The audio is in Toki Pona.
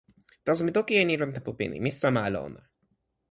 taso, mi toki e ni lon tenpo pini: mi sama ala ona.